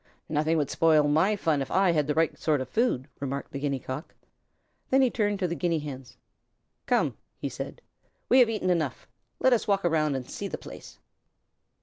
"Nothing would spoil my fun if I had the right sort of food," remarked the Guinea Cock. Then he turned to the Guinea Hens. "Come," he said. "We have eaten enough. Let us walk around and see the place."